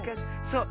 そう。